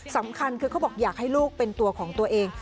สำคัญคือเขาบอกอยากให้ลูกเป็นตัวของตัวเอง